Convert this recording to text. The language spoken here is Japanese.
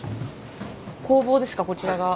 工房ですかこちらが。